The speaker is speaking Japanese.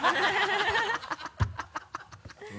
ハハハ